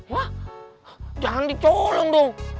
hah jangan dicolong dong